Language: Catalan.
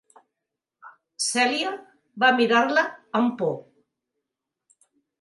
Cèlia va mirar-la amb por.